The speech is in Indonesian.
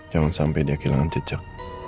jangan sampai dia kehilangan cicak